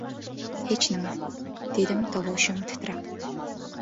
— Hech nima, — dedim tovushim titrab.